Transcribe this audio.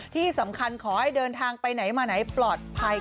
ที่สำคัญขอให้เดินทางไปไหนมาไหนปลอดภัย